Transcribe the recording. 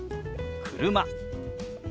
「車」。